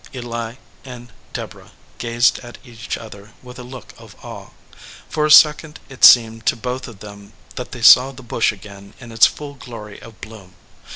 Eli and Deborah gazed at each other with a look of awe. For a second it seemed to both of them that they saw the bush again in its full glory of 126 THE FLOWERING BUSH bloom.